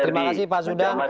terima kasih pak sudah